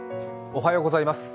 おはようございます。